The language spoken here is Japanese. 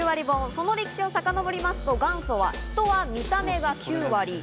その歴史をさかのぼりますと元祖は『人は見た目が９割』。